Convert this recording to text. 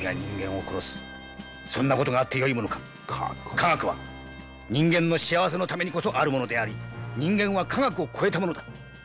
科学は人間の幸せのためにこそあるものであり人間は科学を超えたものだ。